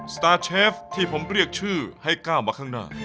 สตาร์เชฟที่ผมเรียกชื่อให้ก้าวมาข้างหน้า